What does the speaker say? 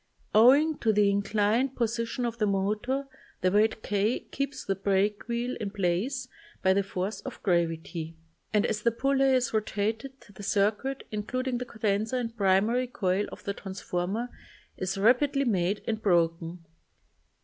Owing to the inclined position of the motor the weight k keeps the break wheel in place by the force of gravity and as the pulley is rotated the circuit, including the condenser and primary coil of the transformer, is rapidly made and broken.